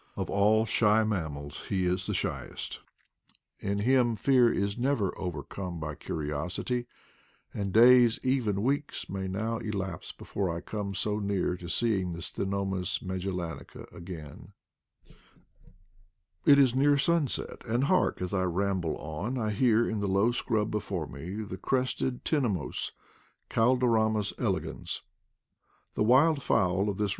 Of all shy mammals he is the shyest; in him fear is never overcome by curi osity, and days, even weeks, may now elapse be fore I come so near seeing the Ctenomys magel lanica again. • I •«•' L CTENOMYS MAGELLANICA IDLE DATS 129 It is near sunset, and, hark! as I ramble on I hear in the low scrub before me the crested tina mons (Calodromas elegans), the wild fowl of this